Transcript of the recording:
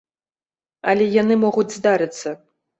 Але яны могуць здарыцца.